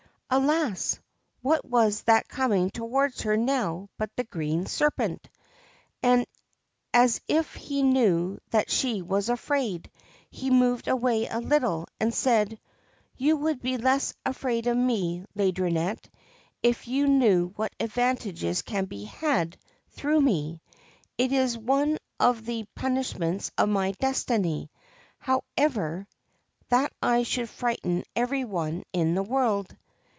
Alas ! what was that coming towards her now but the Green Serpent ! As if he knew that she was afraid, he moved away a little, and said :' You would be less afraid of me, Laideronnette, if you knew what advantages can be had through me ; it is one of the punishments of my destiny, however, that I should frighten every one in the world.'